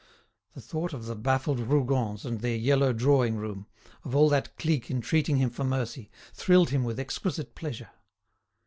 The thought of the baffled Rougons and their yellow drawing room, of all that clique entreating him for mercy, thrilled him with exquisite pleasure.